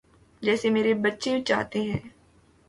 جیسے میرے بچے چاہتے ہیں۔